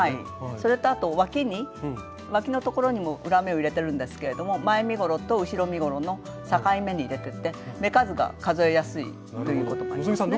それとあとわきにわきのところにも裏目を入れてるんですけれども前身ごろと後ろ身ごろの境目に入れてて目数が数えやすいということもありますね。